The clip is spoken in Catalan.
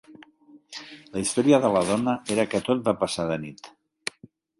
La història de la dona era que tot va passar de nit.